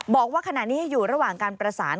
บอกว่าขณะนี้อยู่ระหว่างการประสาน